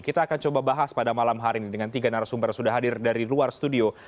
kita akan coba bahas pada malam hari ini dengan tiga narasumber yang sudah hadir dari luar studio